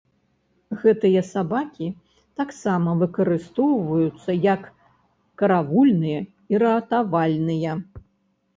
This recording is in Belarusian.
Гэтыя сабакі таксама выкарыстоўваюцца як каравульныя і ратавальныя.